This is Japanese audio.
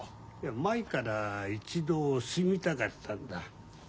前から一度住みたかったんだ。